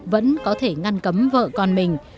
vẫn có thể ngăn cấm vợ con mình